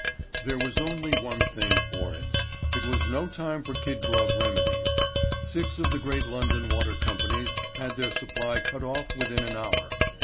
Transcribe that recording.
There was only one thing for it. It was no time for kid glove remedies. Six of the great London Water Companies had their supply cut off within an hour.